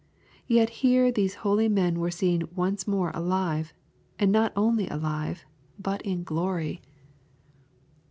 Yet here these holy men were seen once more alive, and not only alive, but in glory